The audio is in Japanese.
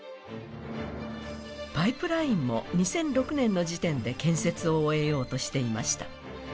パイプラインも２００６年の時点で建設を終えようとしていました。